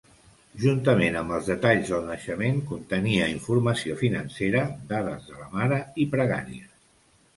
Juntament amb els detalls del naixement, contenia informació financera, dades de la mare i pregàries.